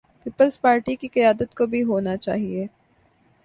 Peoples Party کی قیادت کو بھی ہونا چاہیے۔